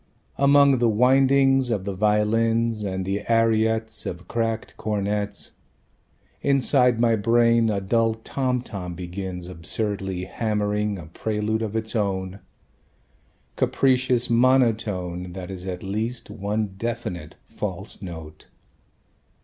Among the windings of the violins And the ariettes Of cracked cornets Inside my brain a dull tom tom begins Absurdly hammering a prelude of its own, Capricious monotone That is at least one definite "false note."